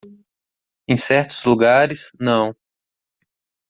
Em certos lugares, não.